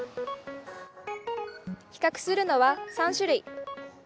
比較するのは３種類。